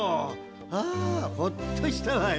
あほっとしたわい。